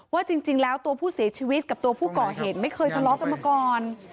ว่าจริงแล้วตัวผู้เสียชีวิตกับตัวผู้ก่อเหตุไม่เคยทะเลาะกันมาก่อน